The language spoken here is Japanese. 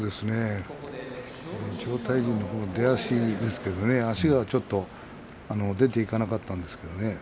千代大龍のほうが出足足がちょっと出ていかなかったんですけどね。